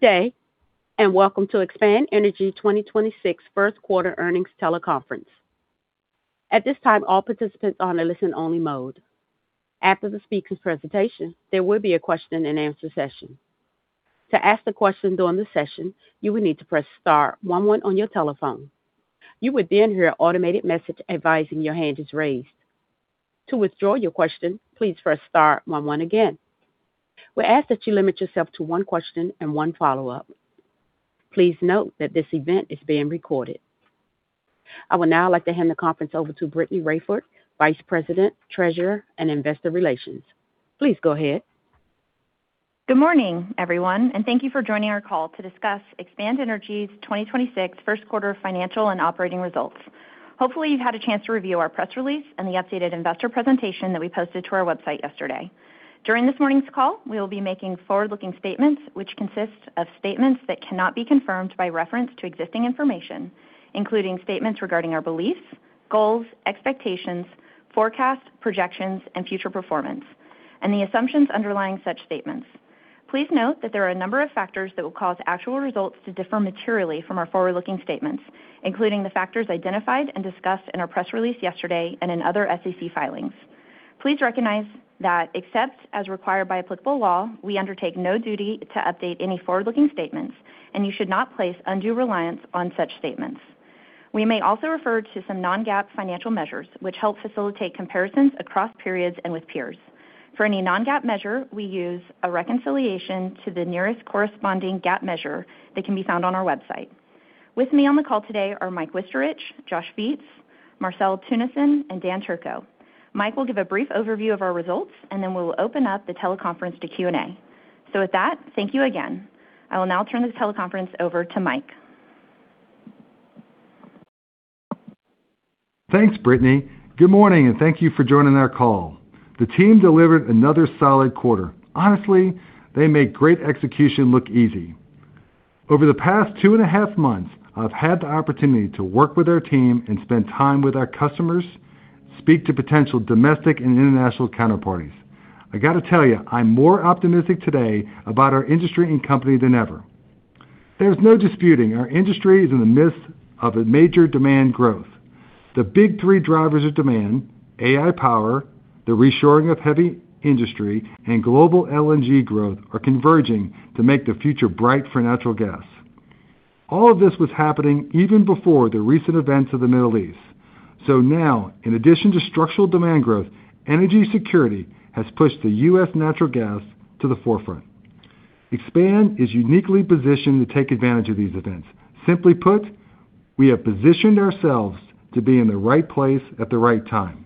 Good day, and welcome to Expand Energy 2026 First Quarter Earnings Teleconference. At this time, all participants are on a listen-only mode. After the speaker's presentation, there will be a question and answer session. To ask the question during the session, you will need to press star one one on your telephone. You would hear an automated message advising your hand is raised. To withdraw your question, please press star one one again. We ask that you limit yourself to one question and one follow-up. Please note that this event is being recorded. I would now like to hand the conference over to Brittany Raiford, Vice President, Treasurer and Investor Relations. Please go ahead. Good morning, everyone, thank you for joining our call to discuss Expand Energy's 2026 first quarter financial and operating results. Hopefully, you've had a chance to review our press release and the updated investor presentation that we posted to our website yesterday. During this morning's call, we will be making forward-looking statements which consist of statements that cannot be confirmed by reference to existing information, including statements regarding our beliefs, goals, expectations, forecasts, projections, and future performance, and the assumptions underlying such statements. Please note that there are a number of factors that will cause actual results to differ materially from our forward-looking statements, including the factors identified and discussed in our press release yesterday and in other SEC filings. Please recognize that except as required by applicable law, we undertake no duty to update any forward-looking statements, and you should not place undue reliance on such statements. We may also refer to some non-GAAP financial measures, which help facilitate comparisons across periods and with peers. For any non-GAAP measure, we use a reconciliation to the nearest corresponding GAAP measure that can be found on our website. With me on the call today are Mike Wichterich, Josh Viets, Marcel Teunissen, and Dan Turco. Mike will give a brief overview of our results, and then we will open up the teleconference to Q&A. With that, thank you again. I will now turn this teleconference over to Mike. Thanks, Brittany. Good morning, and thank you for joining our call. The team delivered another solid quarter. Honestly, they make great execution look easy. Over the past two and a half months, I've had the opportunity to work with our team and spend time with our customers, speak to potential domestic and international counterparties. I gotta tell you, I'm more optimistic today about our industry and company than ever. There's no disputing our industry is in the midst of a major demand growth. The big three drivers of demand, AI power, the reshoring of heavy industry, and global LNG growth, are converging to make the future bright for natural gas. All of this was happening even before the recent events of the Middle East. Now, in addition to structural demand growth, energy security has pushed the U.S. natural gas to the forefront. Expand is uniquely positioned to take advantage of these events. Simply put, we have positioned ourselves to be in the right place at the right time.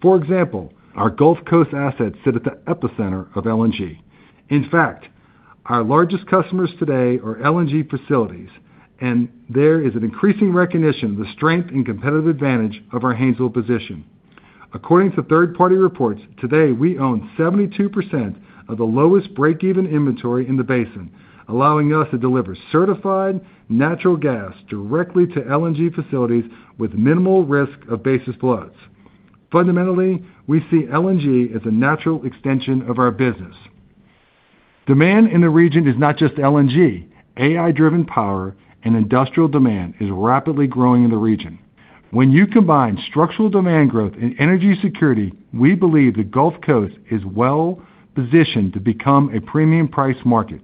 For example, our Gulf Coast assets sit at the epicenter of LNG. In fact, our largest customers today are LNG facilities, and there is an increasing recognition of the strength and competitive advantage of our Haynesville position. According to third-party reports, today we own 72% of the lowest break-even inventory in the basin, allowing us to deliver certified natural gas directly to LNG facilities with minimal risk of basis floods. Fundamentally, we see LNG as a natural extension of our business. AI-driven power and industrial demand is rapidly growing in the region. When you combine structural demand growth and energy security, we believe the Gulf Coast is well-positioned to become a premium price market.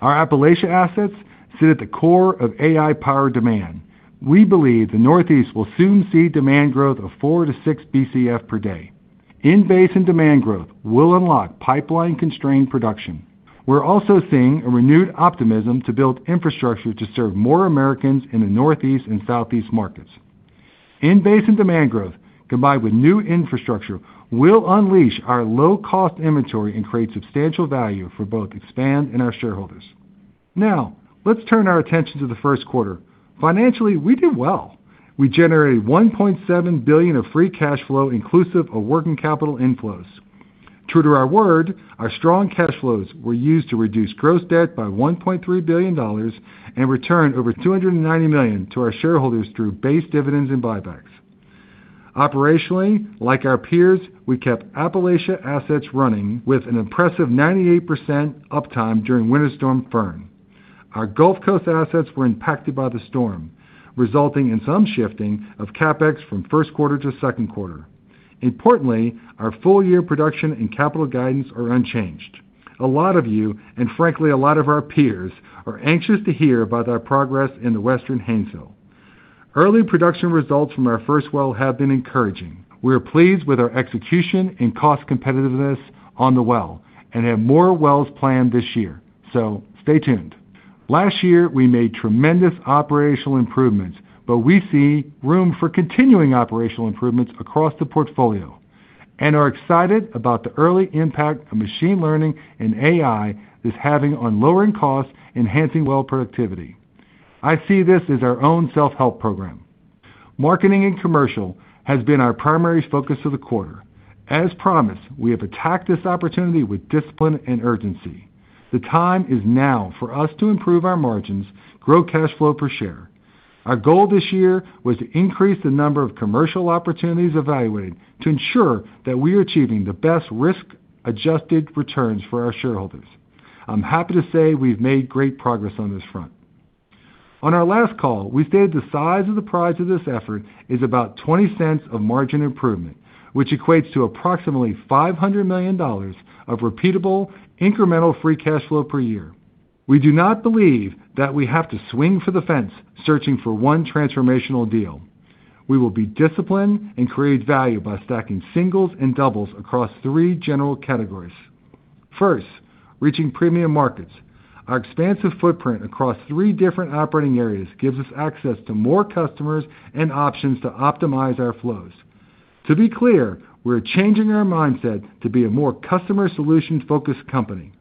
Our Appalachia assets sit at the core of AI power demand. We believe the Northeast will soon see demand growth of 4 to 6 Bcf per day. In-basin demand growth will unlock pipeline-constrained production. We're also seeing a renewed optimism to build infrastructure to serve more Americans in the Northeast and Southeast markets. In-basin demand growth, combined with new infrastructure, will unleash our low-cost inventory and create substantial value for both Expand and our shareholders. Now, let's turn our attention to the first quarter. Financially, we did well. We generated $1.7 billion of free cash flow inclusive of working capital inflows. True to our word, our strong cash flows were used to reduce gross debt by $1.3 billion and return over $290 million to our shareholders through base dividends and buybacks. Operationally, like our peers, we kept Appalachia assets running with an impressive 98% uptime during Winter Storm Fern. Our Gulf Coast assets were impacted by the storm, resulting in some shifting of CapEx from first quarter to second quarter. Importantly, our full-year production and capital guidance are unchanged. A lot of you, and frankly, a lot of our peers, are anxious to hear about our progress in the Western Haynesville. Early production results from our first well have been encouraging. We are pleased with our execution and cost competitiveness on the well and have more wells planned this year. Stay tuned. Last year, we made tremendous operational improvements, but we see room for continuing operational improvements across the portfolio and are excited about the early impact of machine learning and AI is having on lowering costs, enhancing well productivity. I see this as our own self-help program. Marketing and Commercial has been our primary focus of the quarter. As promised, we have attacked this opportunity with discipline and urgency. The time is now for us to improve our margins, grow cash flow per share. Our goal this year was to increase the number of commercial opportunities evaluated to ensure that we are achieving the best risk-adjusted returns for our shareholders. I'm happy to say we've made great progress on this front. On our last call, we stated the size of the prize of this effort is about $0.20 of margin improvement, which equates to approximately $500 million of repeatable incremental free cash flow per year. We do not believe that we have to swing for the fence searching for one transformational deal. We will be disciplined and create value by stacking singles and doubles across three general categories. First, reaching premium markets. Our expansive footprint across three different operating areas gives us access to more customers and options to optimize our flows. To be clear, we're changing our mindset to be a more customer solution-focused company.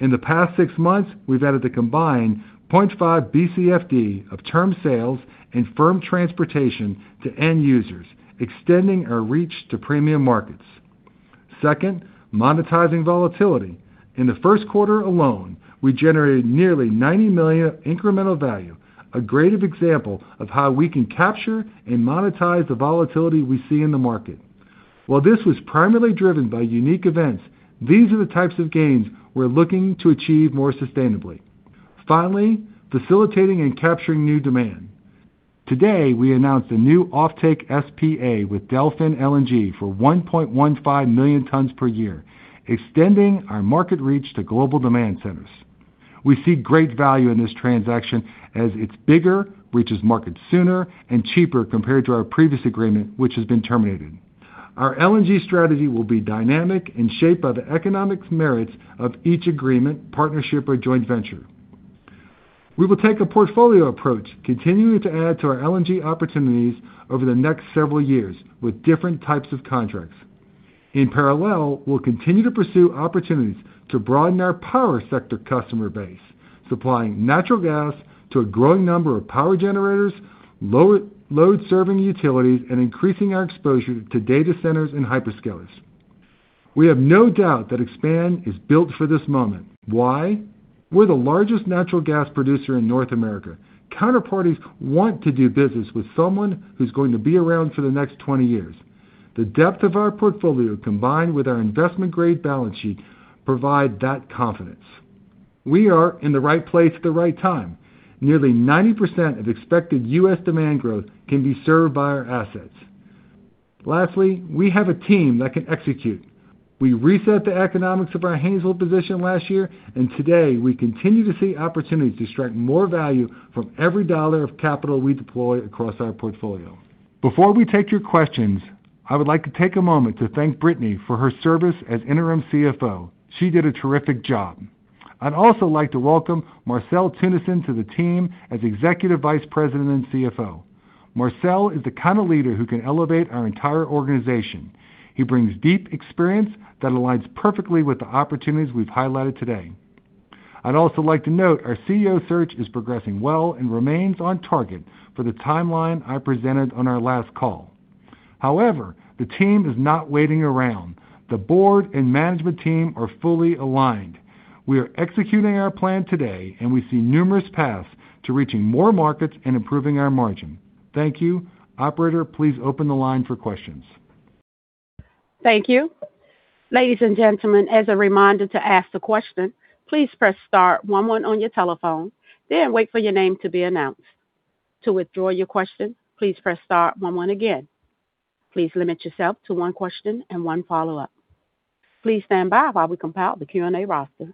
In the past six months, we've added a combined 0.5 Bcfd of term sales and firm transportation to end users, extending our reach to premium markets. Second, monetizing volatility. In the first quarter alone, we generated nearly $90 million incremental value, a great example of how we can capture and monetize the volatility we see in the market. While this was primarily driven by unique events, these are the types of gains we're looking to achieve more sustainably. Finally, facilitating and capturing new demand. Today, we announced a new offtake SPA with Delfin LNG for 1.15 million tons per year, extending our market reach to global demand centers. We see great value in this transaction as it's bigger, reaches market sooner and cheaper compared to our previous agreement, which has been terminated. Our LNG strategy will be dynamic and shaped by the economic merits of each agreement, partnership, or joint venture. We will take a portfolio approach, continuing to add to our LNG opportunities over the next several years with different types of contracts. In parallel, we'll continue to pursue opportunities to broaden our power sector customer base, supplying natural gas to a growing number of power generators, load serving utilities, and increasing our exposure to data centers and hyperscalers. We have no doubt that Expand is built for this moment. Why? We're the largest natural gas producer in North America. Counterparties want to do business with someone who's going to be around for the next 20 years. The depth of our portfolio, combined with our investment-grade balance sheet, provide that confidence. We are in the right place at the right time. Nearly 90% of expected U.S. demand growth can be served by our assets. Lastly, we have a team that can execute. We reset the economics of our Haynesville position last year, and today we continue to see opportunities to strike more value from every dollar of capital we deploy across our portfolio. Before we take your questions, I would like to take a moment to thank Brittany for her service as interim CFO. She did a terrific job. I'd also like to welcome Marcel Teunissen to the team as Executive Vice President and CFO. Marcel is the kind of leader who can elevate our entire organization. He brings deep experience that aligns perfectly with the opportunities we've highlighted today. I'd also like to note our CEO search is progressing well and remains on target for the timeline I presented on our last call. However, the team is not waiting around. The board and management team are fully aligned. We are executing our plan today, and we see numerous paths to reaching more markets and improving our margin. Thank you. Operator, please open the line for questions. Thank you. Ladies and gentlemen, as a reminder to ask the question, please press star one one on your telephone, then wait for your name to be announced. To withdraw your question, please press star one one again. Please limit yourself to one question and one follow-up. Please stand by while we compile the Q&A roster.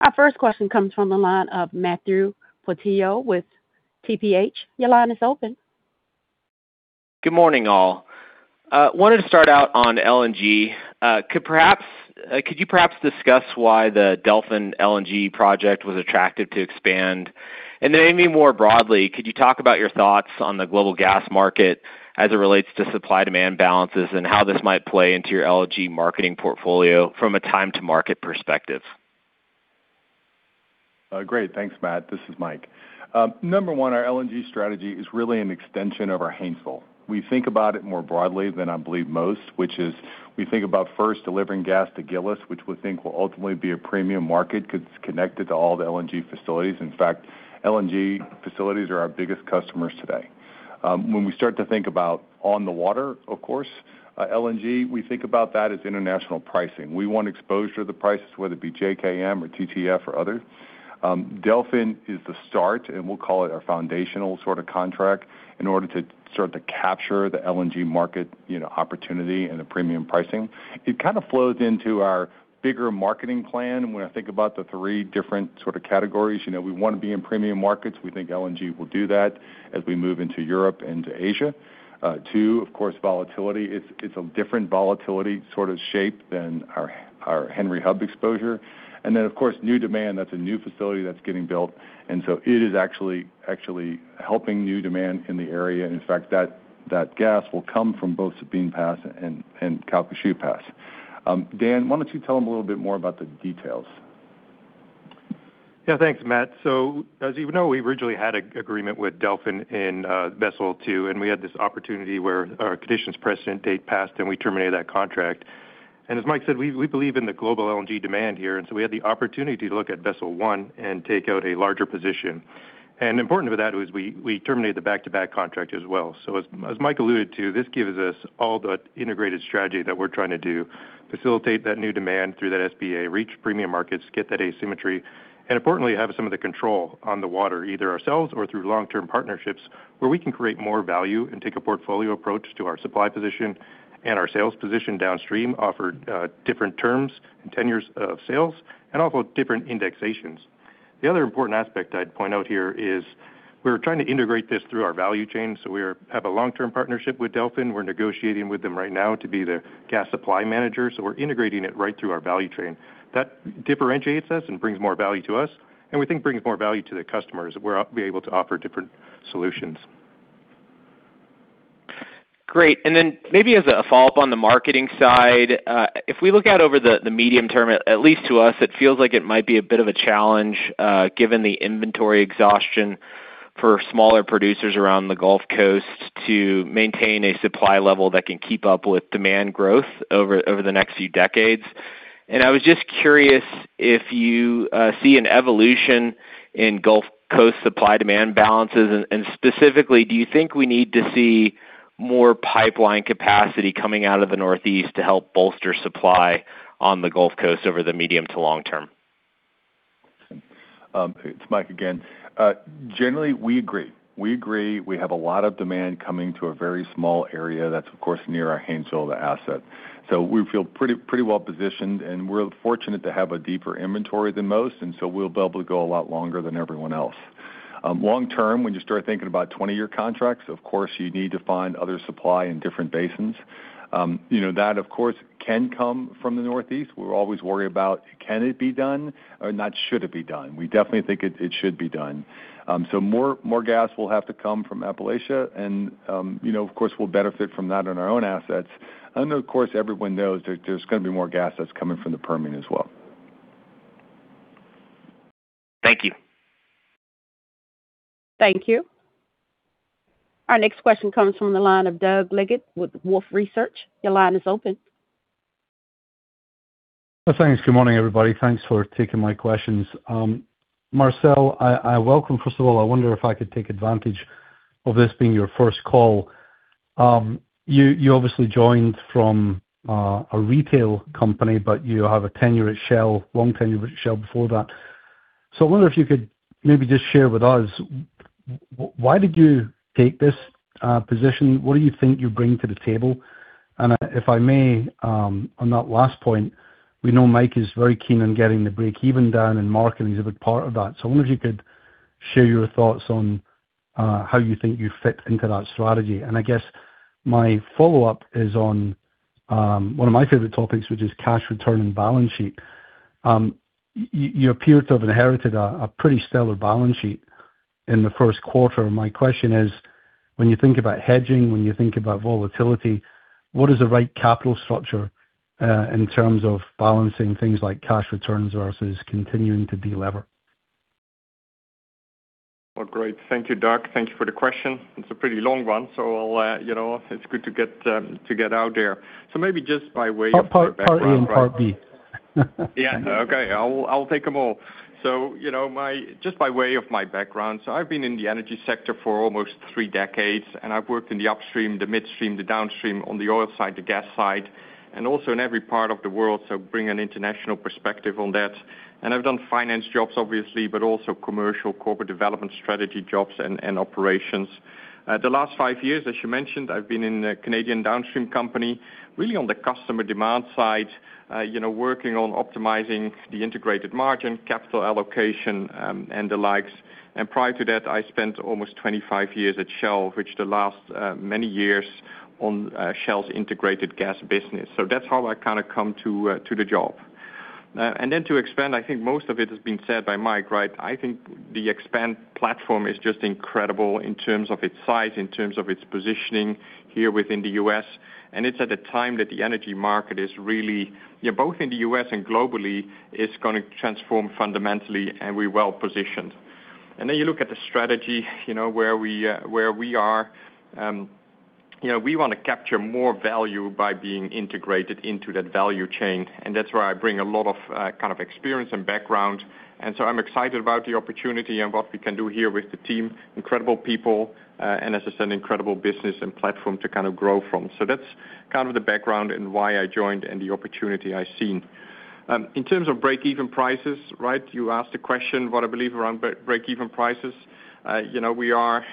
Our first question comes from the line of Matthew Portillo with TPH. Your line is open. Good morning, all. I wanted to start out on LNG. Could you perhaps discuss why the Delfin LNG project was attractive to expand? Then maybe more broadly, could you talk about your thoughts on the global gas market as it relates to supply-demand balances and how this might play into your LNG marketing portfolio from a time-to-market perspective? Great. Thanks, Matt. This is Mike. Number one, our LNG strategy is really an extension of our Haynesville. We think about it more broadly than I believe most, which is we think about first delivering gas to Gillis, which we think will ultimately be a premium market because it's connected to all the LNG facilities. In fact, LNG facilities are our biggest customers today. When we start to think about on the water, of course, LNG, we think about that as international pricing. We want exposure to the prices, whether it be JKM or TTF or others. Delfin is the start, and we'll call it our foundational sort of contract in order to start to capture the LNG market, you know, opportunity and the premium pricing. It kind of flows into our bigger marketing plan. When I think about the three different sort of categories, you know, we want to be in premium markets. We think LNG will do that as we move into Europe and to Asia. Two, of course, volatility. It's a different volatility sort of shape than our Henry Hub exposure. Then, of course, new demand, that's a new facility that's getting built. So it is actually helping new demand in the area. In fact, that gas will come from both Sabine Pass and Calcasieu Pass. Dan, why don't you tell them a little bit more about the details? Yeah. Thanks, Matt. As you know, we originally had a agreement with Delfin in Vessel Two, and we had this opportunity where our conditions precedent date passed, and we terminated that contract. As Mike said, we believe in the global LNG demand here, so we had the opportunity to look at Vessel One and take out a larger position. Important to that was we terminated the back-to-back contract as well. As Mike alluded to, this gives us all the integrated strategy that we're trying to do, facilitate that new demand through that SPA, reach premium markets, get that asymmetry, and importantly, have some of the control on the water, either ourselves or through long-term partnerships, where we can create more value and take a portfolio approach to our supply position and our sales position downstream, offer different terms and tenures of sales and also different indexations. The other important aspect I'd point out here is we're trying to integrate this through our value chain, we have a long-term partnership with Delfin. We're negotiating with them right now to be their gas supply manager. We're integrating it right through our value chain. That differentiates us and brings more value to us, and we think brings more value to the customers. We're able to offer different solutions. Great. Maybe as a follow-up on the marketing side, if we look out over the medium term, at least to us, it feels like it might be a bit of a challenge, given the inventory exhaustion for smaller producers around the Gulf Coast to maintain a supply level that can keep up with demand growth over the next few decades. I was just curious if you see an evolution in Gulf Coast supply-demand balances. Specifically, do you think we need to see more pipeline capacity coming out of the Northeast to help bolster supply on the Gulf Coast over the medium to long term? It's Mike again. Generally, we agree. We agree we have a lot of demand coming to a very small area. That's, of course, near our Haynesville, the asset. We feel pretty well-positioned, and we're fortunate to have a deeper inventory than most, we'll be able to go a lot longer than everyone else. Long term, when you start thinking about 20-year contracts, of course, you need to find other supply in different basins. You know, that, of course, can come from the Northeast. We're always worried about can it be done or not should it be done. We definitely think it should be done. More gas will have to come from Appalachia and, you know, of course, we'll benefit from that on our own assets. Of course, everyone knows there's gonna be more gas that's coming from the Permian as well. Thank you. Thank you. Our next question comes from the line of Doug Leggate with Wolfe Research. Your line is open. Thanks. Good morning, everybody. Thanks for taking my questions. Marcel, I welcome, first of all, I wonder if I could take advantage of this being your first call. You obviously joined from a retail company, but you have a tenure at Shell, long tenure with Shell before that. I wonder if you could maybe just share with us why did you take this position? What do you think you bring to the table? If I may, on that last point, we know Mike is very keen on getting the break even down, and marketing is a big part of that. I wonder if you could share your thoughts on how you think you fit into that strategy. I guess my follow-up is on one of my favorite topics, which is cash return and balance sheet. You appear to have inherited a pretty stellar balance sheet in the first quarter. My question is, when you think about hedging, when you think about volatility, what is the right capital structure in terms of balancing things like cash returns versus continuing to delever? Great. Thank you, Doug. Thank you for the question. It's a pretty long one, so I'll, you know, it's good to get to get out there. Maybe just by way of my background, right? Part A and part B. Yeah. Okay. I'll take them all. You know, just by way of my background, so I've been in the energy sector for almost three decades, and I've worked in the upstream, the midstream, the downstream, on the oil side, the gas side, and also in every part of the world, so bring an international perspective on that. I've done finance jobs, obviously, but also commercial corporate development strategy jobs and operations. The last five years, as you mentioned, I've been in a Canadian downstream company, really on the customer demand side, you know, working on optimizing the integrated margin, capital allocation, and the likes. Prior to that, I spent almost 25 years at Shell, which the last many years on Shell's integrated gas business. That's how I kind of come to the job. To expand, I think most of it has been said by Mike, right? I think the Expand platform is just incredible in terms of its size, in terms of its positioning here within the U.S. It's at a time that the energy market is really, both in the U.S. and globally, is gonna transform fundamentally, and we're well-positioned. You look at the strategy, you know, where we, where we are. You know, we wanna capture more value by being integrated into that value chain, and that's where I bring a lot of, kind of experience and background. I'm excited about the opportunity and what we can do here with the team, incredible people, and as I said, an incredible business and platform to kind of grow from. That's the background and why I joined and the opportunity I've seen. In terms of break-even prices, you asked a question what I believe around break-even prices. You know, we are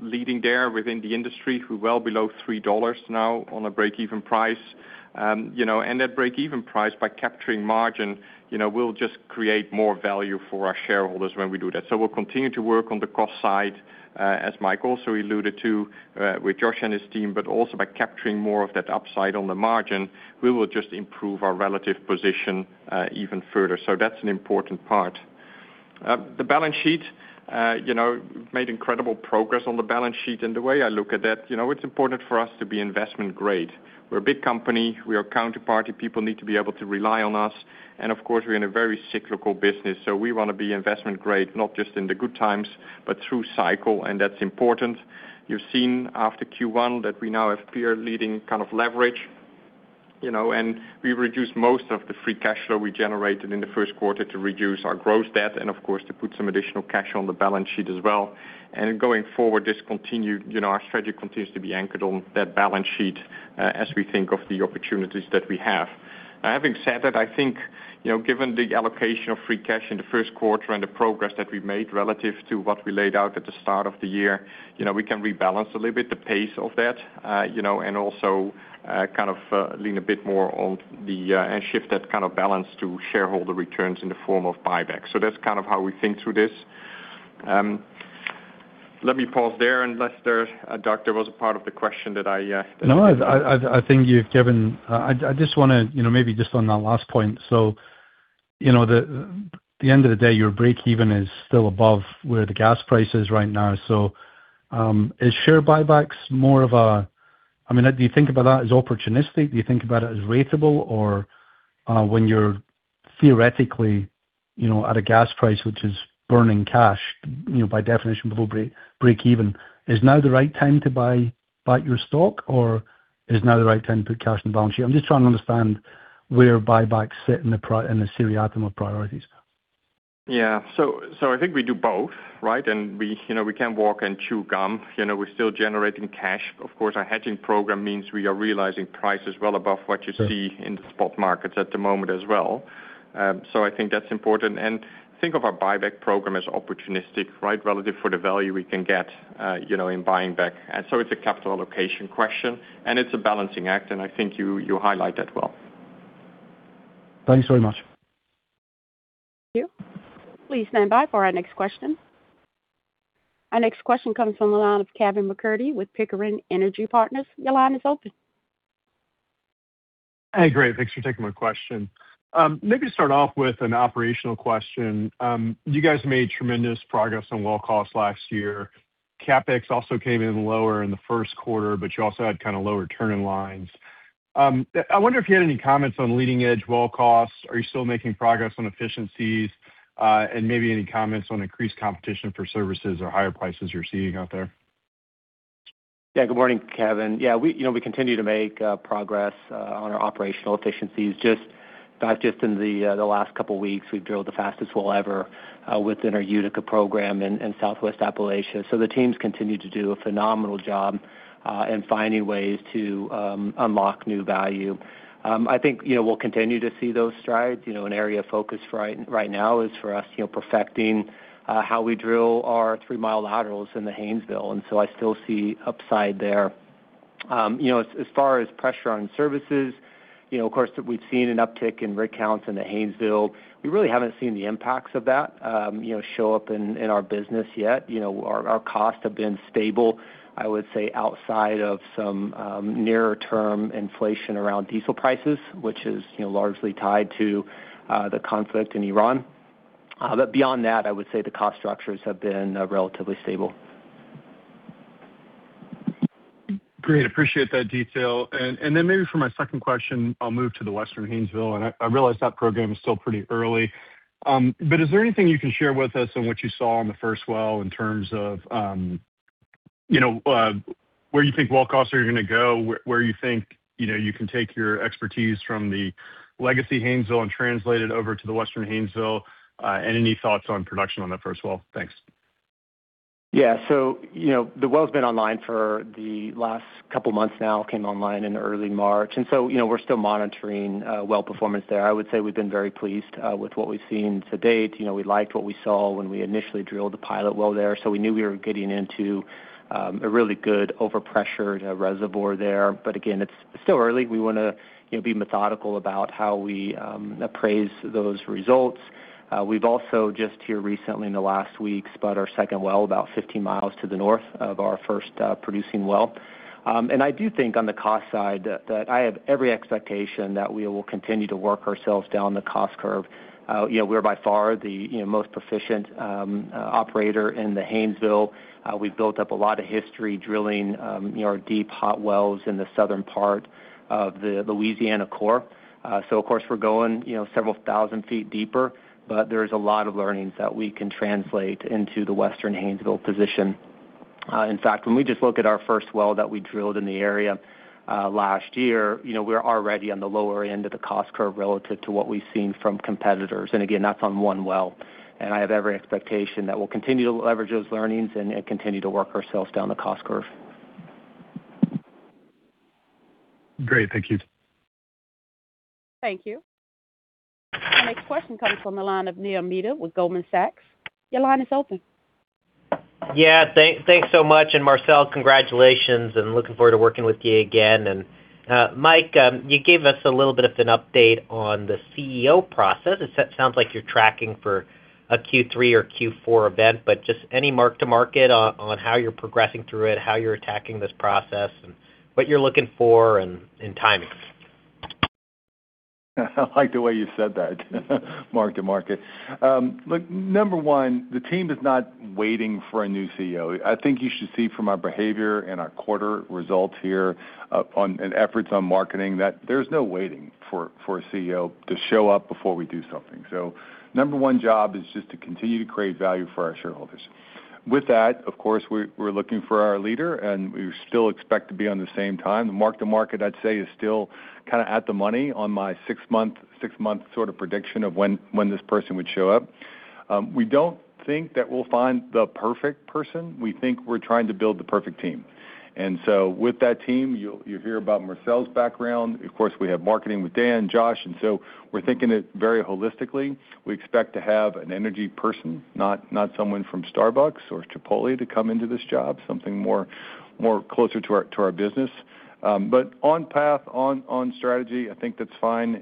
leading there within the industry. We're well below $3 now on a break-even price. You know, that break-even price by capturing margin, you know, will just create more value for our shareholders when we do that. We'll continue to work on the cost side, as Mike also alluded to, with Josh and his team, but also by capturing more of that upside on the margin, we will just improve our relative position even further. That's an important part. The balance sheet, you know, made incredible progress on the balance sheet. The way I look at that, you know, it's important for us to be investment-grade. We're a big company. We are counterparty. People need to be able to rely on us. Of course, we want to be investment-grade not just in the good times, but through cycle, and that's important. You've seen after Q1 that we now have peer leading kind of leverage. You know, we reduced most of the free cash flow we generated in the first quarter to reduce our gross debt and of course, to put some additional cash on the balance sheet as well. Going forward, this continue, you know, our strategy continues to be anchored on that balance sheet, as we think of the opportunities that we have. Having said that, I think, you know, given the allocation of free cash in the first quarter and the progress that we've made relative to what we laid out at the start of the year, you know, we can rebalance a little bit the pace of that, you know, and also, kind of, lean a bit more on the, and shift that kind of balance to shareholder returns in the form of buyback. That's kind of how we think through this. Let me pause there unless there, Doug, there was a part of the question that I, that I didn't get. No, I just wanna, you know, maybe just on that last point. You know, the end of the day, your breakeven is still above where the gas price is right now. I mean, do you think about that as opportunistic? Do you think about it as ratable? When you're theoretically, you know, at a gas price, which is burning cash, you know, by definition below breakeven, is now the right time to buy back your stock, or is now the right time to put cash in the balance sheet? I'm just trying to understand where buybacks sit in the seriatim of priorities. Yeah. I think we do both, right? We, you know, we can walk and chew gum. You know, we're still generating cash. Of course, our hedging program means we are realizing prices well above what you see- Sure... in the spot markets at the moment as well. I think that's important. Think of our buyback program as opportunistic, right? Relative for the value we can get, you know, in buying back. It's a capital allocation question, and it's a balancing act, and I think you highlight that well. Thanks very much. Thank you. Please stand by for our next question. Our next question comes from the line of Kevin MacCurdy with Pickering Energy Partners. Your line is open. Hey, great. Thanks for taking my question. Maybe to start off with an operational question. You guys made tremendous progress on well costs last year. CapEx also came in lower in the first quarter, but you also had kind of lower turning lines. I wonder if you had any comments on leading edge well costs. Are you still making progress on efficiencies? Maybe any comments on increased competition for services or higher prices you're seeing out there? Good morning, Kevin. We, you know, we continue to make progress on our operational efficiencies. Just in the last couple weeks, we've drilled the fastest well ever within our Utica program in Southwest Appalachia. The teams continue to do a phenomenal job in finding ways to unlock new value. I think, you know, we'll continue to see those strides. You know, an area of focus right now is for us, you know, perfecting how we drill our 3 mi laterals in the Haynesville. I still see upside there. You know, as far as pressure on services, you know, of course, we've seen an uptick in rig counts in the Haynesville. We really haven't seen the impacts of that, you know, show up in our business yet. You know, our costs have been stable, I would say, outside of some nearer term inflation around diesel prices, which is, you know, largely tied to the conflict in Iran. Beyond that, I would say the cost structures have been relatively stable. Great. Appreciate that detail. Then maybe for my second question, I'll move to the Western Haynesville. I realize that program is still pretty early. Is there anything you can share with us on what you saw on the first well in terms of, you know, where you think well costs are gonna go? Where you think, you know, you can take your expertise from the legacy Haynesville and translate it over to the Western Haynesville? Any thoughts on production on that first well? Thanks. Yeah. You know, the well's been online for the last couple months now, came online in early March. You know, we're still monitoring well performance there. I would say we've been very pleased with what we've seen to date. You know, we liked what we saw when we initially drilled the pilot well there, so we knew we were getting into a really good overpressured reservoir there. Again, it's still early. We wanna, you know, be methodical about how we appraise those results. We've also just here recently in the last week spud our second well about 15 mi to the north of our first producing well. I do think on the cost side that I have every expectation that we will continue to work ourselves down the cost curve. You know, we're by far the, you know, most proficient operator in the Haynesville. We've built up a lot of history drilling, you know, our deep hot wells in the southern part of the Louisiana core. So of course, we're going, you know, several thousand feet deeper, but there's a lot of learnings that we can translate into the Western Haynesville position. In fact, when we just look at our first well that we drilled in the area, last year, you know, we're already on the lower end of the cost curve relative to what we've seen from competitors. Again, that's on one well. I have every expectation that we'll continue to leverage those learnings and continue to work ourselves down the cost curve. Great. Thank you. Thank you. The next question comes from the line of Neil Mehta with Goldman Sachs. Your line is open. Yeah. Thanks so much. Marcel, congratulations, and looking forward to working with you again. Mike, you gave us a little bit of an update on the CEO process. It sounds like you're tracking for a Q3 or Q4 event, just any mark to market on how you're progressing through it, how you're attacking this process, and what you're looking for and timing? I like the way you said that, mark-to-market. Look, number one, the team is not waiting for a new CEO. I think you should see from our behavior and our quarter results here, and efforts on marketing, that there's no waiting for a CEO to show up before we do something. Number one job is just to continue to create value for our shareholders. With that, of course, we're looking for our leader, and we still expect to be on the same time. The market, I'd say, is still kind of at the money on my six-month sort of prediction of when this person would show up. We don't think that we'll find the perfect person. We think we're trying to build the perfect team. With that team, you hear about Marcel's background. Of course, we have marketing with Dan, Josh, we're thinking it very holistically. We expect to have an energy person, not someone from Starbucks or Chipotle to come into this job, something more closer to our business. On path, on strategy, I think that's fine.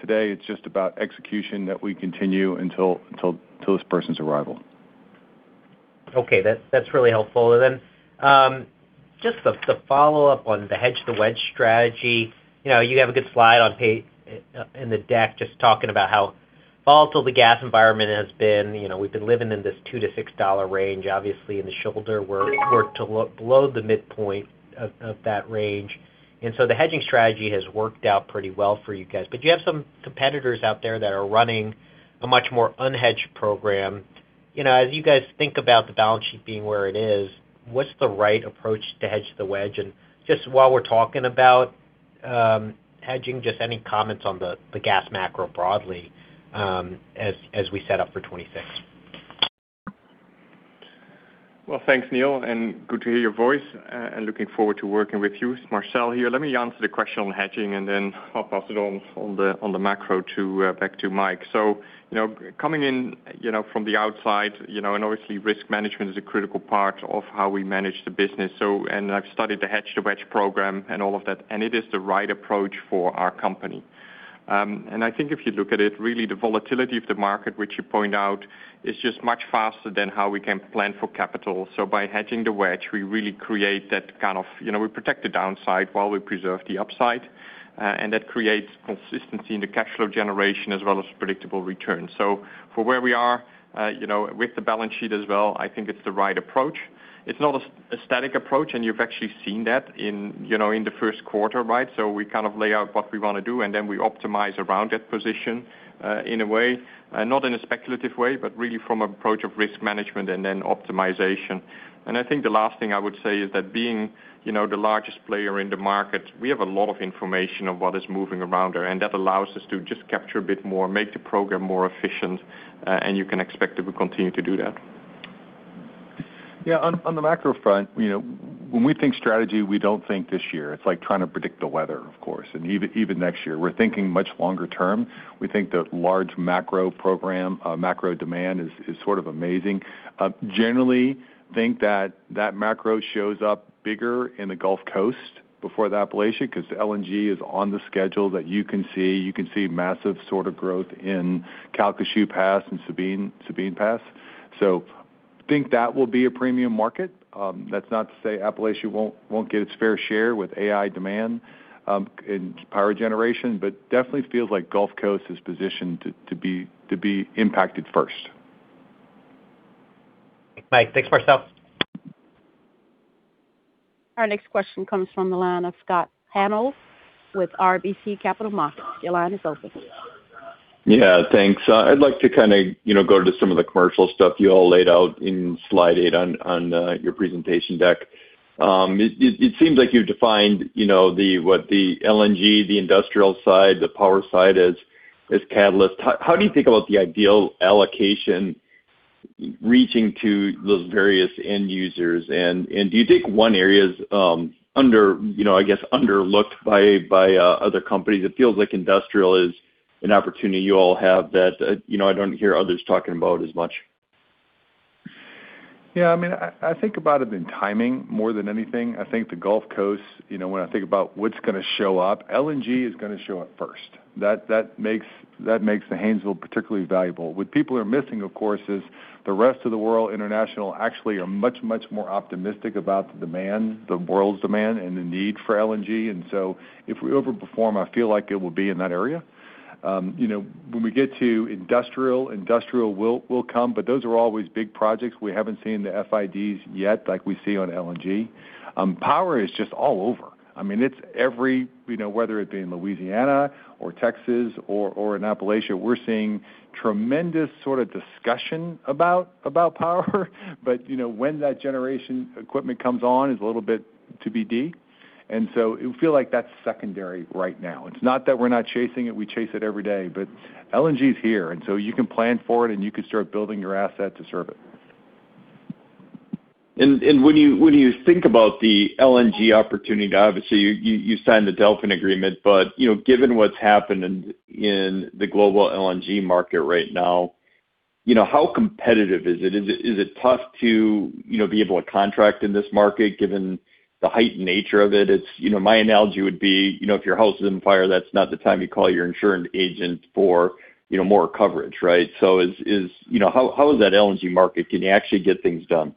Today, it's just about execution that we continue until this person's arrival. That's really helpful. Then, just to follow up on the hedge-to-wedge strategy. You know, you have a good slide on in the deck just talking about how volatile the gas environment has been. You know, we've been living in this $2-$6 range, obviously in the shoulder. We're below the midpoint of that range. The hedging strategy has worked out pretty well for you guys. You have some competitors out there that are running a much more unhedged program. You know, as you guys think about the balance sheet being where it is, what's the right approach to hedge-to-wedge? Just while we're talking about hedging, just any comments on the gas macro broadly, as we set up for 2026. Thanks Neil, and good to hear your voice, and looking forward to working with you. It's Marcel Teunissen here. Let me answer the question on hedging and then I'll pass it on the macro to Mike. You know, coming in, you know, from the outside, you know, and obviously risk management is a critical part of how we manage the business. I've studied the hedge-to-wedge program and all of that, and it is the right approach for our company. I think if you look at it, really the volatility of the market, which you point out, is just much faster than how we can plan for capital. By hedging the wedge, we really create that kind of. You know, we protect the downside while we preserve the upside, and that creates consistency in the cash flow generation as well as predictable returns. For where we are, you know, with the balance sheet as well, I think it's the right approach. It's not a static approach, and you've actually seen that in, you know, in the first quarter, right? We kind of lay out what we wanna do, and then we optimize around that position in a way, not in a speculative way, but really from approach of risk management and then optimization. I think the last thing I would say is that being, you know, the largest player in the market, we have a lot of information of what is moving around, and that allows us to just capture a bit more, make the program more efficient, and you can expect that we continue to do that. Yeah. On, on the macro front, you know, when we think strategy, we don't think this year. It's like trying to predict the weather, of course, and even next year. We're thinking much longer term. We think the large macro program, macro demand is sort of amazing. Generally think that that macro shows up bigger in the Gulf Coast before the Appalachia, 'cause LNG is on the schedule that you can see. You can see massive sort of growth in Calcasieu Pass and Sabine Pass. Think that will be a premium market. That's not to say Appalachia won't get its fair share with AI demand in power generation, definitely feels like Gulf Coast is positioned to be, to be impacted first. Right, thanks, Marcel. Our next question comes from the line of Scott Hanold with RBC Capital Markets. Your line is open. Thanks. I'd like to kinda, you know, go to some of the commercial stuff you all laid out in slide eight on your presentation deck. It seems like you've defined, you know, what the LNG, the industrial side, the power side as catalysts. How do you think about the ideal allocation reaching to those various end users? Do you think one area is under, you know, I guess underlooked by other companies? It feels like industrial is an opportunity you all have that, you know, I don't hear others talking about as much. Yeah. I mean, I think about it in timing more than anything. I think the Gulf Coast, you know, when I think about what's gonna show up, LNG is gonna show up first. That makes the Haynesville particularly valuable. What people are missing, of course, is the rest of the world international actually are much, much more optimistic about the demand, the world's demand and the need for LNG. If we overperform, I feel like it will be in that area. You know, when we get to industrial will come, but those are always big projects. We haven't seen the FIDs yet like we see on LNG. Power is just all over. I mean, it's every, you know, whether it be in Louisiana or Texas or in Appalachia, we're seeing tremendous sort of discussion about power. You know, when that generation equipment comes on is a little bit TBD. It feel like that's secondary right now. It's not that we're not chasing it. We chase it every day. LNG is here, and so you can plan for it and you can start building your asset to serve it. When you think about the LNG opportunity, obviously you signed the Delfin agreement, but, you know, given what's happened in the global LNG market right now, you know, how competitive is it? Is it tough to, you know, be able to contract in this market given the heightened nature of it? It's, you know, my analogy would be, you know, if your house is on fire, that's not the time you call your insurance agent for, you know, more coverage, right? Is, you know, how is that LNG market? Can you actually get things done?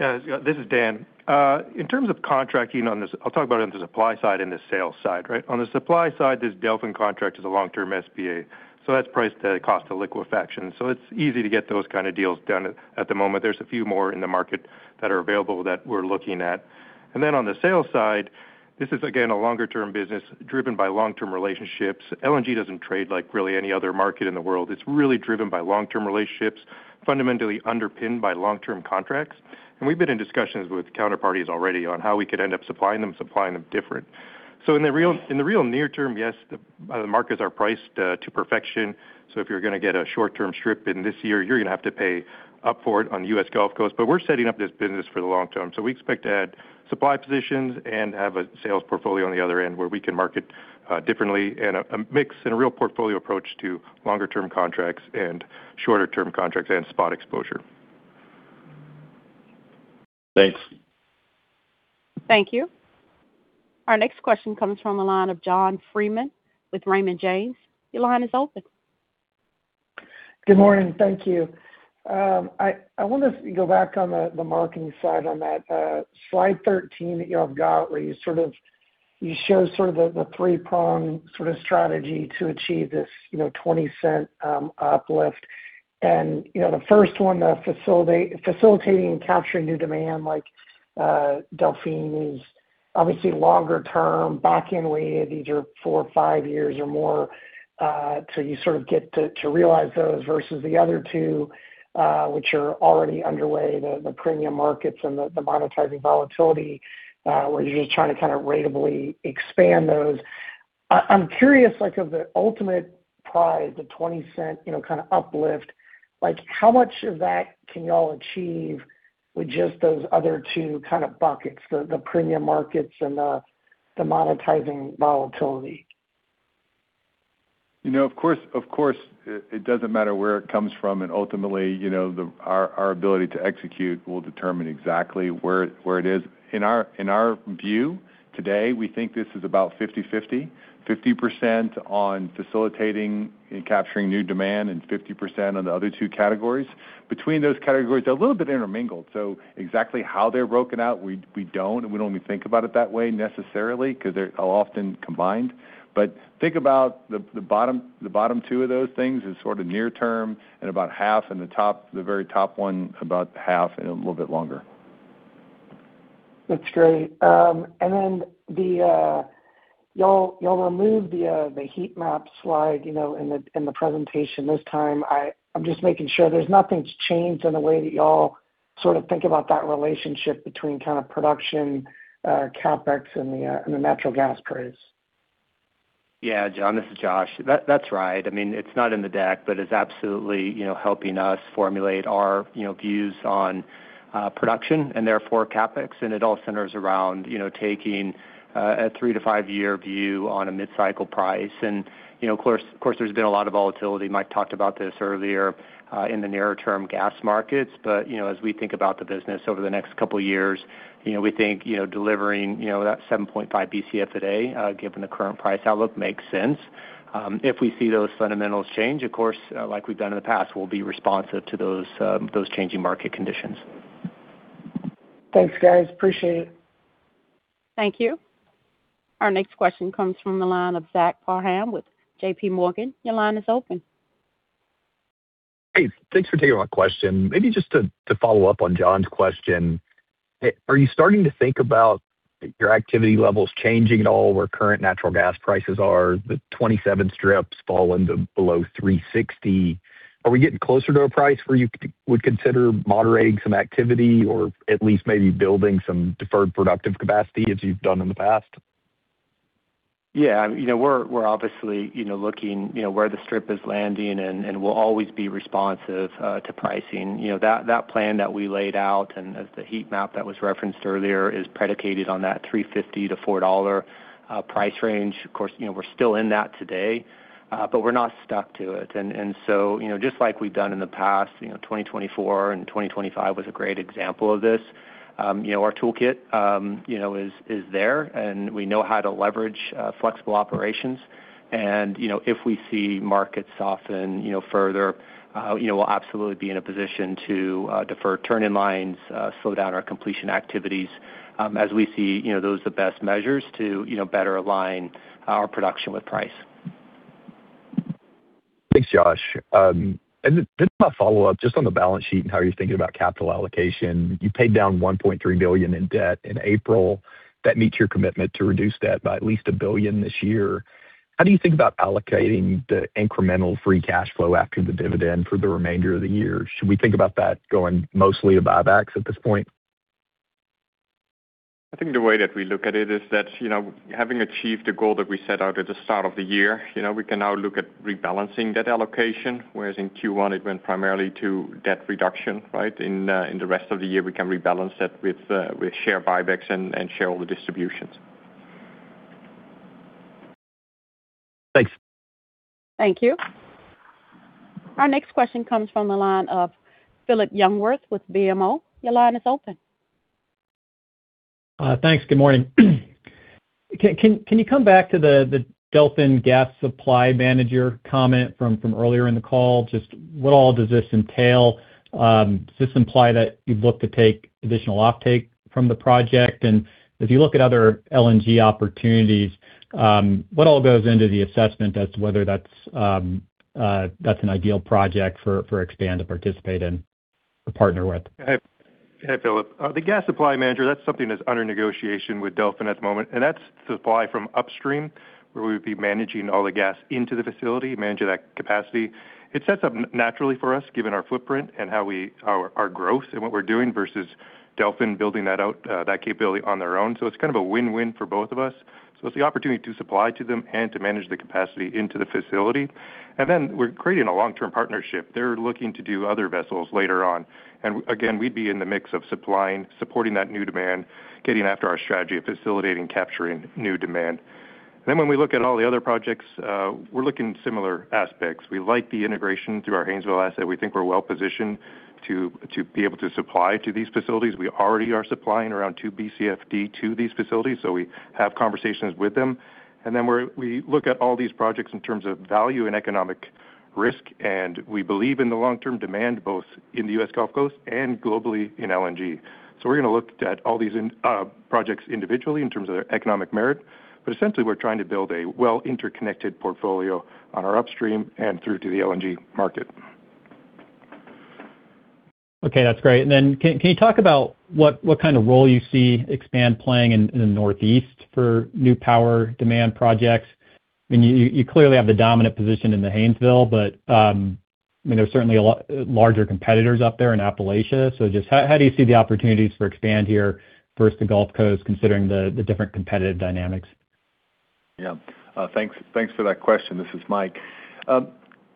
Yeah, this is Dan. In terms of contracting on this, I'll talk about it on the supply side and the sales side, right? On the supply side, this Delfin contract is a long-term SPA, so that's priced at cost of liquefaction. It's easy to get those kind of deals done at the moment. There's a few more in the market that are available that we're looking at. On the sales side, this is again, a longer-term business driven by long-term relationships. LNG doesn't trade like really any other market in the world. It's really driven by long-term relationships, fundamentally underpinned by long-term contracts. We've been in discussions with counterparties already on how we could end up supplying them different. In the real near term, yes, the markets are priced to perfection, if you're gonna get a short-term strip in this year, you're gonna have to pay up for it on the US Gulf Coast. We're setting up this business for the long term, we expect to add supply positions and have a sales portfolio on the other end where we can market differently and a mix and a real portfolio approach to longer term contracts and shorter term contracts and spot exposure. Thanks. Thank you. Our next question comes from the line of John Freeman with Raymond James. Your line is open. Good morning. Thank you. I wonder if you go back on the marketing slide on that slide 13 that you have got where you sort of, you show sort of the three-prong sort of strategy to achieve this, you know, $0.20 uplift. You know, the first one, the facilitating and capturing new demand like Delfin is obviously longer term back in way. These are four or five years or more till you sort of get to realize those versus the other two, which are already underway, the premium markets and the monetizing volatility, where you're just trying to kind of ratably expand those. I'm curious, like of the ultimate prize, the $0.20, you know, kind of uplift, like how much of that can y'all achieve with just those other two kind of buckets, the premium markets and the monetizing volatility? You know, of course, of course, it doesn't matter where it comes from and ultimately, you know, our ability to execute will determine exactly where it is. In our, in our view today, we think this is about 50/50. 50% on facilitating and capturing new demand and 50% on the other two categories. Between those categories, they're a little bit intermingled, so exactly how they're broken out, we don't and we don't even think about it that way necessarily because they're all often combined. But think about the bottom, the bottom two of those things as sort of near term and about half in the top, the very top one, about half and a little bit longer. That's great. The y'all removed the heat map slide, you know, in the presentation this time. I'm just making sure there's nothing's changed in the way that y'all sort of think about that relationship between kind of production, CapEx and the natural gas price. Yeah, John, this is Josh. That's right. I mean, it's not in the deck, but it's absolutely, you know, helping us formulate our, you know, views on production and therefore CapEx. It all centers around, you know, taking a three-five year view on a mid-cycle price. You know, of course, there's been a lot of volatility. Mike talked about this earlier in the nearer term gas markets. You know, as we think about the business over the next couple years, you know, we think, you know, delivering, you know, that 7.5 Bcfd given the current price outlook makes sense. If we see those fundamentals change, of course, like we've done in the past, we'll be responsive to those changing market conditions. Thanks, guys. Appreciate it. Thank you. Our next question comes from the line of Zach Parham with JPMorgan. Your line is open. Hey, thanks for taking my question. Maybe just to follow up on John's question. Are you starting to think about your activity levels changing at all where current natural gas prices are? The 2027 strips falling to below $3.60. Are we getting closer to a price where you would consider moderating some activity or at least maybe building some deferred productive capacity as you've done in the past? Yeah. You know, we're obviously, you know, looking, you know, where the strip is landing and we'll always be responsive to pricing. You know, that plan that we laid out and as the heat map that was referenced earlier is predicated on that $3.50-$4 price range. Of course, you know, we're still in that today, but we're not stuck to it. You know, just like we've done in the past, you know, 2024 and 2025 was a great example of this. You know, our toolkit, you know, is there and we know how to leverage flexible operations. You know, if we see markets soften, you know, further, you know, we'll absolutely be in a position to defer turn-in lines, slow down our completion activities, as we see, you know, those are the best measures to, you know, better align our production with price. Thanks, Josh. My follow-up just on the balance sheet and how you're thinking about capital allocation. You paid down $1.3 billion in debt in April. That meets your commitment to reduce debt by at least $1 billion this year. How do you think about allocating the incremental free cash flow after the dividend for the remainder of the year? Should we think about that going mostly to buybacks at this point? I think the way that we look at it is that, you know, having achieved the goal that we set out at the start of the year, you know, we can now look at rebalancing that allocation, whereas in Q1, it went primarily to debt reduction, right? In the rest of the year, we can rebalance that with share buybacks and share all the distributions. Thanks. Thank you. Our next question comes from the line of Phillip Jungwirth with BMO. Your line is open. Thanks. Good morning. Can you come back to the Delfin gas supply manager comment from earlier in the call? Just what all does this entail? Does this imply that you'd look to take additional offtake from the project? If you look at other LNG opportunities, what all goes into the assessment as to whether that's an ideal project for Expand to participate in or partner with? Hey, Phillip. The gas supply manager, that's something that's under negotiation with Delfin at the moment, and that's supply from upstream, where we would be managing all the gas into the facility, managing that capacity. It sets up naturally for us, given our footprint and how we our growth and what we're doing versus Delfin building that out, that capability on their own. It's kind of a win-win for both of us. It's the opportunity to supply to them and to manage the capacity into the facility. We're creating a long-term partnership. They're looking to do other vessels later on. Again, we'd be in the mix of supplying, supporting that new demand, getting after our strategy of facilitating, capturing new demand. When we look at all the other projects, we're looking similar aspects. We like the integration through our Haynesville asset. We think we're well-positioned to be able to supply to these facilities. We already are supplying around 2 Bcfd to these facilities. We have conversations with them. We look at all these projects in terms of value and economic risk. We believe in the long-term demand, both in the U.S. Gulf Coast and globally in LNG. We're gonna look at all these in projects individually in terms of their economic merit. Essentially, we're trying to build a well interconnected portfolio on our upstream and through to the LNG market. Okay, that's great. Can you talk about what kind of role you see Expand playing in the Northeast for new power demand projects? I mean, you clearly have the dominant position in the Haynesville, but I mean, there's certainly larger competitors up there in Appalachia. Just how do you see the opportunities for Expand here versus the Gulf Coast, considering the different competitive dynamics? Yeah. thanks for that question. This is Mike.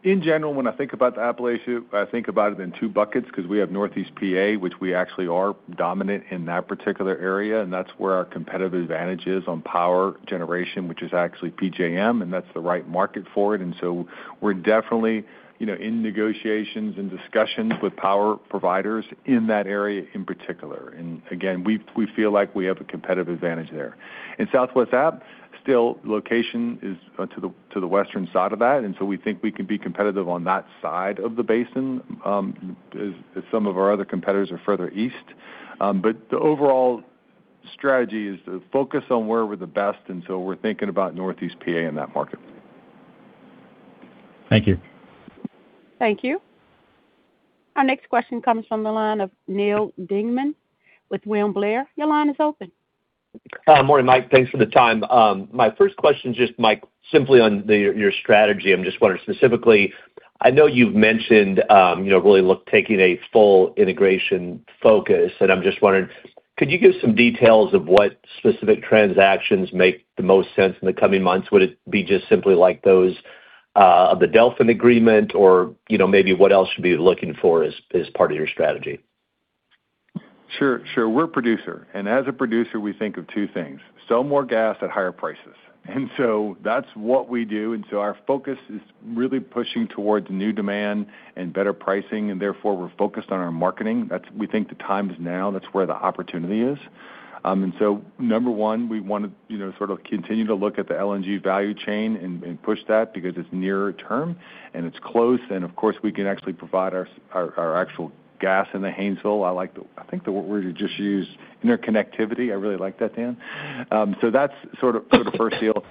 In general, when I think about the Appalachia, I think about it in two buckets because we have Northeast P.A., which we actually are dominant in that particular area, and that's where our competitive advantage is on power generation, which is actually PJM, and that's the right market for it. So we're definitely, you know, in negotiations and discussions with power providers in that area in particular. Again, we feel like we have a competitive advantage there. In Southwest App, still location is to the western side of that, so we think we can be competitive on that side of the basin, as some of our other competitors are further east. The overall strategy is to focus on where we're the best, and so we're thinking about Northeast P.A. in that market. Thank you. Thank you. Our next question comes from the line of Neal Dingmann with William Blair. Your line is open. Morning, Mike. Thanks for the time. My first question is just, Mike, simply on your strategy. I'm just wondering specifically, I know you've mentioned, you know, really taking a full integration focus, and I'm just wondering, could you give some details of what specific transactions make the most sense in the coming months? Would it be just simply like those of the Delfin agreement or, you know, maybe what else should be looking for as part of your strategy? Sure. Sure. We're a producer. As a producer, we think of two things: sell more gas at higher prices. That's what we do. Our focus is really pushing towards new demand and better pricing. We're focused on our marketing. We think the time is now. That's where the opportunity is. Number one, we wanna, you know, sort of continue to look at the LNG value chain and push that because it's nearer term and it's close, and of course, we can actually provide our actual gas in the Haynesville. I think the word you just used, interconnectivity. I really like that, Dan. That's sort of first deal.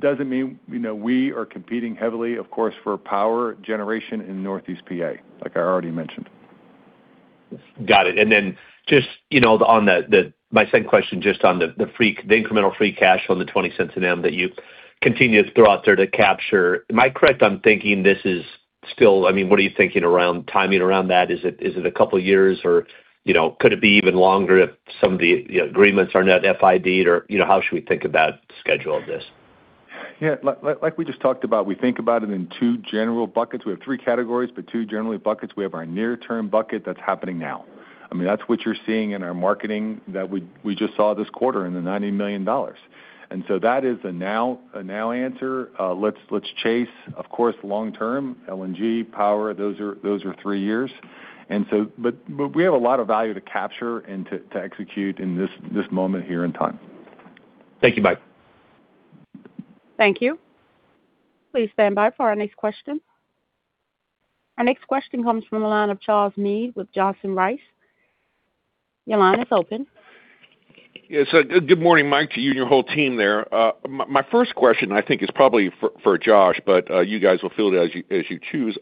Doesn't mean, you know, we are competing heavily, of course, for power generation in Northeast PA, like I already mentioned. Got it. Then just, you know, on my second question, just on the incremental free cash on the $0.20 an M that you continue to throw out there to capture. Am I correct on thinking I mean, what are you thinking timing around that? Is it a couple years or, you know, could it be even longer if some of the, you know, agreements are not FID or, you know, how should we think about the schedule of this? Yeah. Like we just talked about, we think about it in two general buckets. We have three categories, but two generally buckets. We have our near-term bucket that's happening now. I mean, that's what you're seeing in our marketing that we just saw this quarter in the $90 million. That is a now answer. Let's chase, of course, long term, LNG, power. Those are three years. We have a lot of value to capture and to execute in this moment here in time. Thank you, Mike. Thank you. Please stand by for our next question. Our next question comes from the line of Charles Meade with Johnson Rice. Your line is open. Good morning, Mike, to you and your whole team there. My first question I think is probably for Josh, but you guys will field it as you choose.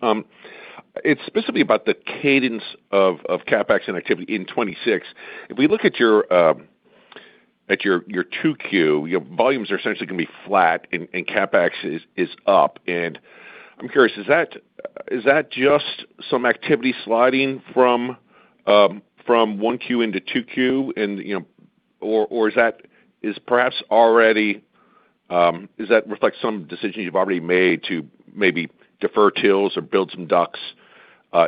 It's specifically about the cadence of CapEx and activity in 2026. If we look at your 2Q, your volumes are essentially gonna be flat and CapEx is up. I'm curious, is that just some activity sliding from 1Q into 2Q and, you know, or is perhaps already reflect some decisions you've already made to maybe defer TILs or build some DUCs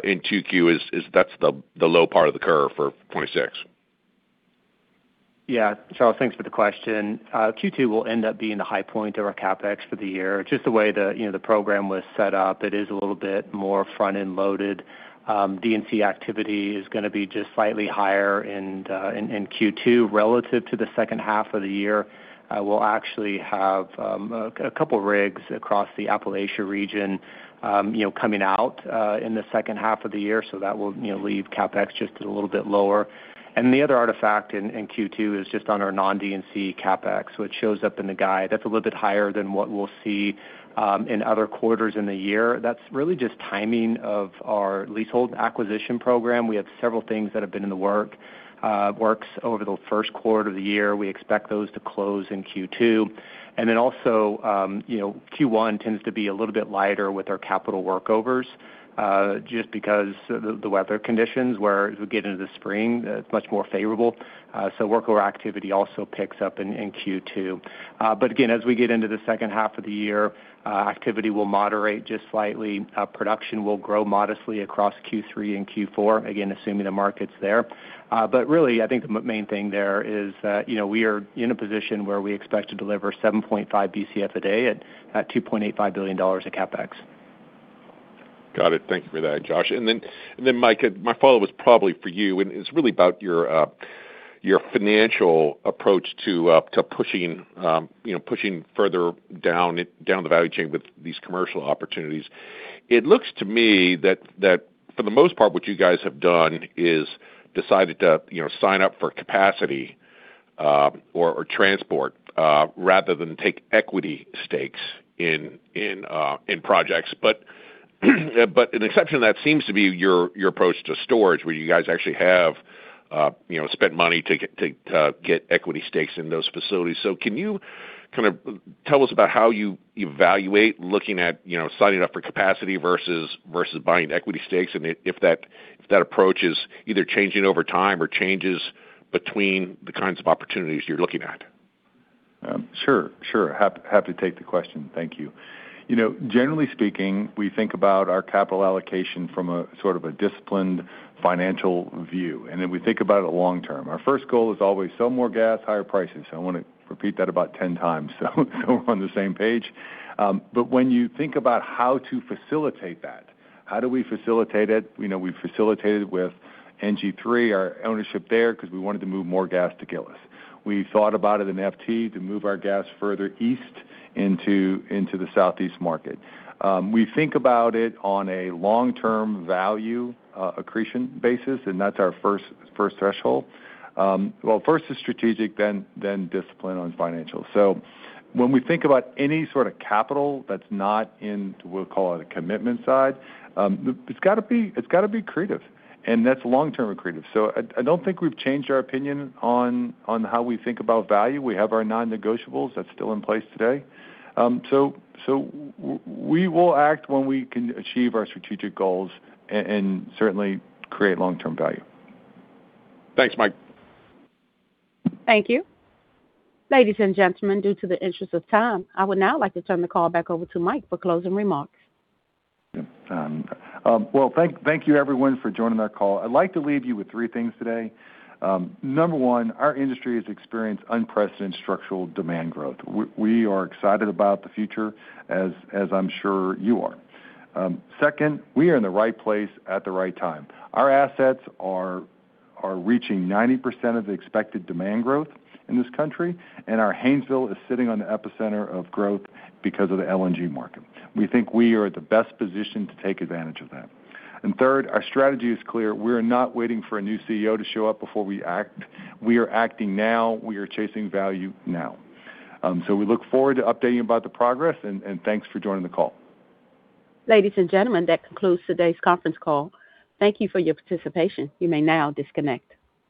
in 2Q? Is that's the low part of the curve for 2026? Yeah, Charles, thanks for the question. Q2 will end up being the high point of our CapEx for the year. Just the way the, you know, the program was set up, it is a little bit more front-end loaded. D&C activity is gonna be just slightly higher in Q2 relative to the second half of the year. We'll actually have a couple rigs across the Appalachia region, you know, coming out in the second half of the year. That will, you know, leave CapEx just a little bit lower. The other artifact in Q2 is just on our non-D&C CapEx, which shows up in the guide. That's a little bit higher than what we'll see in other quarters in the year. That's really just timing of our leasehold acquisition program. We have several things that have been in the works over the first quarter of the year. We expect those to close in Q2. Also, you know, Q1 tends to be a little bit lighter with our capital workovers, just because the weather conditions, where as we get into the spring, it's much more favorable. Workover activity also picks up in Q2. Again, as we get into the second half of the year, activity will moderate just slightly. Production will grow modestly across Q3 and Q4, again, assuming the market's there. Really, I think the main thing there is, you know, we are in a position where we expect to deliver 7.5 Bcf a day at $2.85 billion in CapEx. Got it. Thank you for that, Josh. Then, Mike, my follow-up was probably for you, and it's really about your financial approach to pushing, you know, pushing further down the value chain with these commercial opportunities. It looks to me that for the most part, what you guys have done is decided to, you know, sign up for capacity, or transport, rather than take equity stakes in projects. An exception to that seems to be your approach to storage, where you guys actually have, you know, spent money to get equity stakes in those facilities. Can you kind of tell us about how you evaluate looking at, you know, signing up for capacity versus buying equity stakes? If that approach is either changing over time or changes between the kinds of opportunities you're looking at? Sure, sure. Happy to take the question. Thank you. You know, generally speaking, we think about our capital allocation from a sort of a disciplined financial view. We think about it long term. Our first goal is always sell more gas, higher prices. I wanna repeat that about 10 times. We're on the same page. When you think about how to facilitate that, how do we facilitate it? You know, we facilitate it with NG3, our ownership there, 'cause we wanted to move more gas to Gillis. We thought about it in FT to move our gas further east into the southeast market. We think about it on a long-term value accretion basis. That's our first threshold. Well, first is strategic, then discipline on financial. When we think about any sort of capital that's not in, we'll call it a commitment side, it's gotta be creative, and that's long-term creative. I don't think we've changed our opinion on how we think about value. We have our non-negotiables. That's still in place today. We will act when we can achieve our strategic goals and certainly create long-term value. Thanks, Mike. Thank you. Ladies and gentlemen, due to the interest of time, I would now like to turn the call back over to Mike for closing remarks. Yeah. Well, thank you everyone for joining our call. I'd like to leave you with three things today. Number one, our industry has experienced unprecedented structural demand growth. We are excited about the future as I'm sure you are. Second, we are in the right place at the right time. Our assets are reaching 90% of the expected demand growth in this country, and our Haynesville is sitting on the epicenter of growth because of the LNG market. We think we are at the best position to take advantage of that. Third, our strategy is clear. We are not waiting for a new CEO to show up before we act. We are acting now. We are chasing value now. We look forward to updating you about the progress, and thanks for joining the call. Ladies and gentlemen, that concludes today's conference call. Thank you for your participation. You may now disconnect.